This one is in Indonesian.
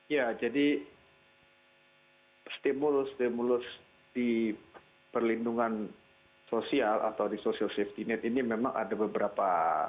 ya jadi stimulus stimulus di perlindungan sosial atau di social safety net ini memang ada beberapa